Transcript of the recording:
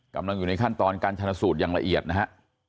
กำลังอยู่ในขั้นตอนการชนะสูตรอย่างละเอียดนะฮะ